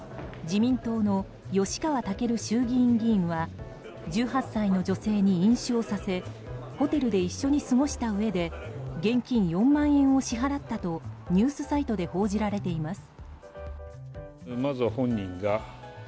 自民党の吉川赳衆議院議員は１８歳の女性に飲酒をさせホテルで一緒に過ごしたうえで現金４万円を支払ったとニュースサイトで報じられています。